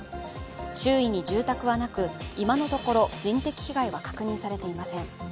周囲に住宅はなく、今のところ人的被害は確認されていません。